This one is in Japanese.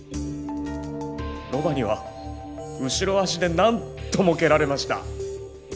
ロバには後ろ足で何度も蹴られました！